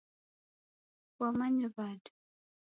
Kwamanye w'ada?